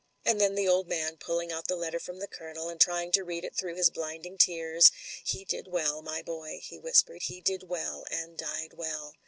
And then the old man, pulling out the letter from 112 MEN, WOMEN AND GUNS the Colonel, and trying to read it through his blinding tears: *'He did well, my boy," he whispered, "he did well, and died well.